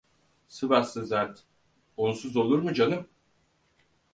Sıvaslı zat: "Onsuz olur mu canım?"